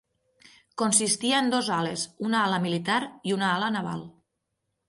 Consistia en dos ales: una ala militar i una ala naval.